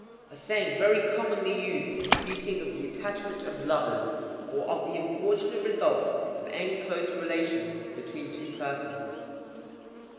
A saying very commonly used in speaking of the attachment of lovers, or of the unfortunate results of any close relation between two persons.